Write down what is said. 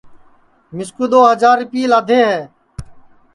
مِسکُُو دؔو ہجار رِیپئے لادھے ہے